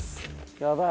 やばい。